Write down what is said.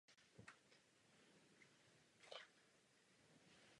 Název pochází z francouzského slova pro Německo.